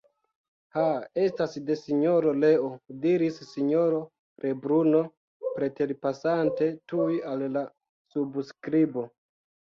Ha! estas de Sinjoro Leo, diris Sinjoro Lebruno preterpasante tuj al la subskribo.